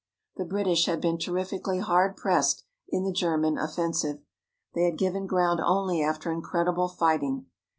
The British had been terrifically hard pressed in the German offensive. They had given ground only after incredible fighting.